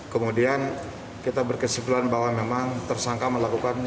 kemudian kita berkesimpulan bahwa memang tersangka melakukan